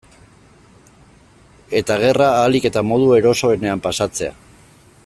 Eta gerra ahalik eta modu erosoenean pasatzea.